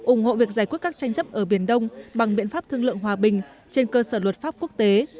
ủng hộ việc giải quyết các tranh chấp ở biển đông bằng biện pháp thương lượng hòa bình trên cơ sở luật pháp quốc tế